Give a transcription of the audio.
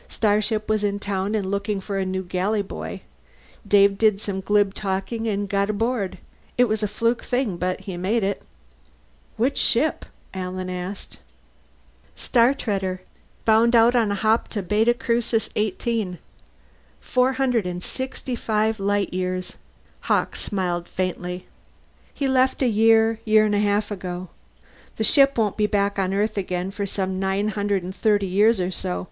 Starship was in town and looking for a new galley boy. Dave did some glib talking and got aboard. It was a fluke thing, but he made it." "Which ship?" Alan asked. "Startreader. Bound out on a hop to Beta Crucis XVIII. 465 light years." Hawkes smiled faintly. "He left a year, year and a half ago. The ship won't be back on Earth again for nine hundred thirty years or so.